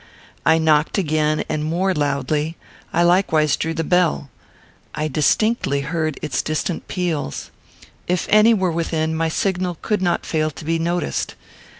I knocked again, and more loudly; I likewise drew the bell. I distinctly heard its distant peals. If any were within, my signal could not fail to be noticed.